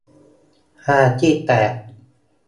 ฮาขี้แตก